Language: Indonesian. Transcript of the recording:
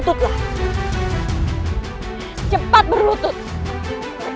bukankah kau ingin membuat ku bertukut lutut di depanmu